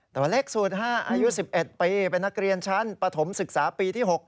ตัวเล็กสุดฮะอายุ๑๑ปีเป็นนักเรียนชั้นปฐมศึกษาปีที่๖